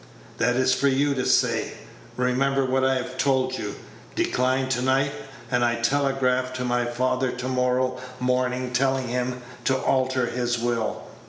"That is for you to say. Remember what I have told you. Decline to night, and I telegraph to my father to morrow morning, telling him to alter his will."